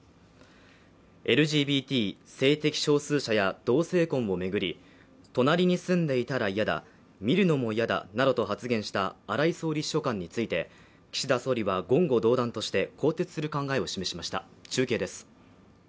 ＬＧＢＴ＝性的少数者や同性婚をめぐり隣に住んでいたら嫌だ見るのも嫌だなどと発言した荒井総理秘書官について岸田総理は言語道断として更迭する考えを示しました中継です